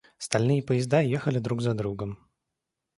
Стальные поезда ехали друг за другом.